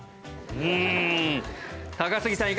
うん高杉さん